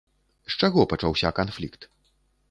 З чаго пачаўся канфлікт?